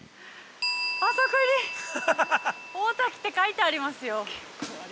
◆あそこに、大滝って書いてありますよ。